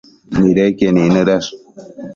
nidequien icnëdash